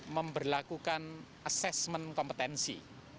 memperlakukan asesmen kompetensi